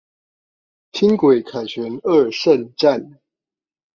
輕軌凱旋二聖站